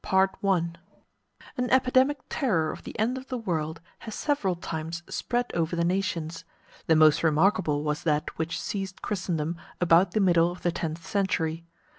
[Illustration: A] An epidemic terror of the end of the world has several times spread over the nations. The most remarkable was that which seized Christendom about the middle of the tenth century.